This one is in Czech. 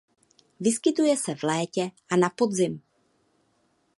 Vyskytuje se v létě a na podzim.